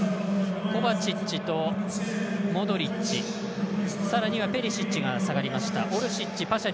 コバチッチとモドリッチさらにはペリシッチが下がりました。